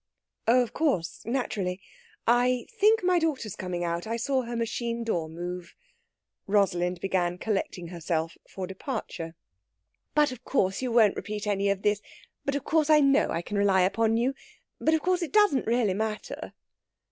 "Oh, of course, naturally. I think my daughter's coming out. I saw her machine door move." Rosalind began collecting herself for departure. "But, of course, you won't repeat any of this but, of course, I know I can rely upon you but, of course, it doesn't really matter...."